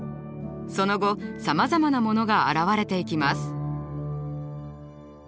その後さまざまなものが現れていきます。